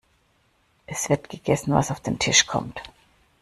Es wird gegessen, was auf den Tisch kommt.